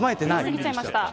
過ぎちゃいました。